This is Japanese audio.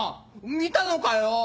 見たのかよぉ。